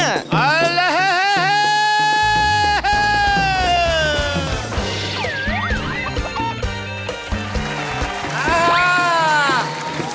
เอาละเฮ้